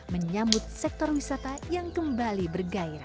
menyambut sektor wisata yang kembali bergairah